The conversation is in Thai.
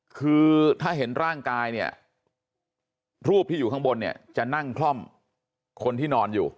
คือถ้าเห็นร่างกายเนี่ยรูปที่อยู่ข้างบนเนี่ยจะนั่งคล่อมคนที่นอนอยู่